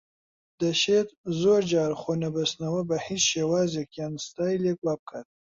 دەشێت زۆر جار خۆنەبەستنەوە بە هیچ شێوازێک یان ستایلێک وا بکات